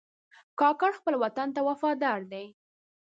کاکړ خپل وطن ته وفادار دي.